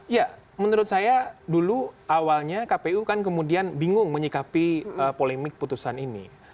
ya menurut saya dulu awalnya kpu kan kemudian bingung menyikapi polemik putusan ini